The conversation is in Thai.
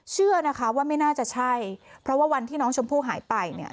เชื่อนะคะว่าไม่น่าจะใช่เพราะว่าวันที่น้องชมพู่หายไปเนี่ย